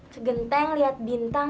kegenteng liat bintang